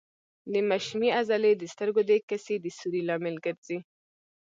د مشیمیې عضلې د سترګو د کسي د سوري لامل ګرځي.